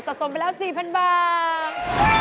สมไปแล้ว๔๐๐๐บาท